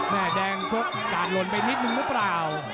แม่แดงชกกาดหล่นไปนิดนึงหรือเปล่า